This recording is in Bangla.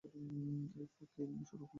এরই ফাঁকেই শুরু হলো গানের তালিম।